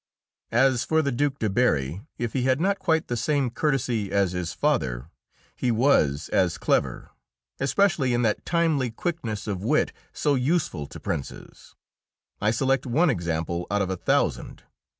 As for the Duke de Berri, if he had not quite the same courtesy as his father, he was as clever, especially in that timely quickness of wit so useful to princes. I select one example out of a thousand.